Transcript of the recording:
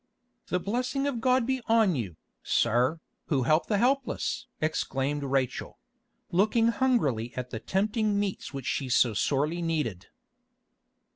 "The blessing of God be on you, sir, who help the helpless!" exclaimed Rachel, looking hungrily at the tempting meats which she so sorely needed.